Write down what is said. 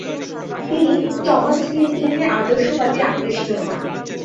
তিনি Thomas Hill গ্রিনের আদর্শবাদে আকৃষ্ট হন।